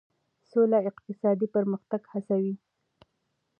سوله اقتصادي پرمختګ هڅوي.